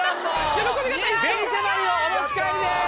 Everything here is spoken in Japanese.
やった！をお持ち帰りです。